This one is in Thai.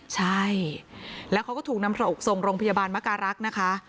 ใช่แล้วเขาก็ถูกนำพระส่งโรงพยาบาลมการรักษ์นะคะ